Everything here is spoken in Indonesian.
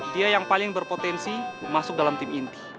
dia yang paling berpotensi masuk dalam tim inti